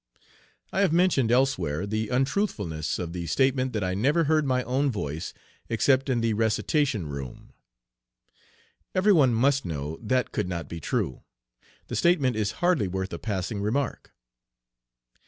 I have mentioned elsewhere the untruthfulness of the statement that I never heard my own voice except in The recitation room. Every one must know that could not be true. The statement is hardly worth a passing remark.